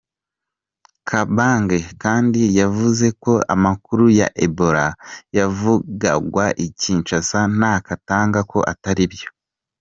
Kabange kandi yavuze ko amakuru ya Ebola yavugagwa i Kinshasa na Katanga ko atariyo.